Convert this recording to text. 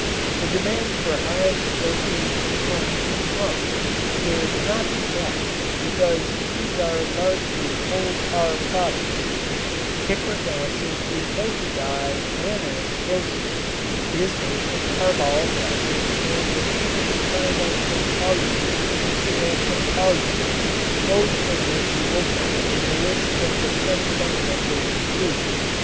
The demand for high explosives from the front could not be met because these also are largely coal tar products. Picric acid is both a dye and an explosive. It is made from carbolic acid and the famous trinitrotoluene is made from toluene, both of which you will find in the list of the ten fundamental "crudes."